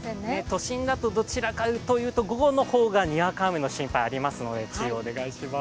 都心だとどちらかというと、午後の方がにわか雨の心配ありますので注意をお願いします。